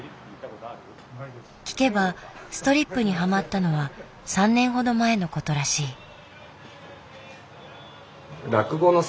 聞けばストリップにハマったのは３年ほど前のことらしい。